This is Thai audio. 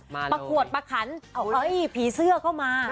ประกวดประขันเฮ้ยผีเสื้อเข้ามา